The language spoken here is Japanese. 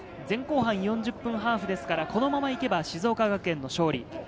前後半４０分ハーフですから、このまま行けば静岡学園の勝利。